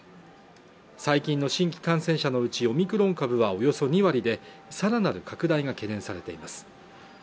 最近の新規感染者のうちオミクロン株はおよそ２割でさらなる拡大が懸念されています